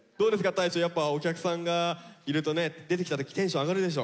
大昇やっぱお客さんがいるとね出てきた時テンション上がるでしょ？